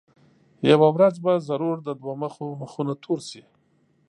یوه ورځ به ضرور د دوه مخو مخونه تور شي.